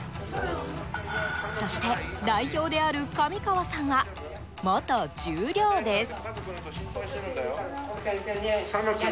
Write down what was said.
そして、代表である上河さんは元十両です。